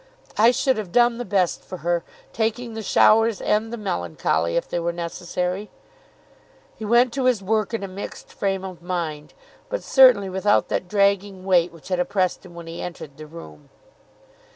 "I should have done the best for her, taking the showers and the melancholy if they were necessary." He went to his work in a mixed frame of mind, but certainly without that dragging weight which had oppressed him when he entered the room.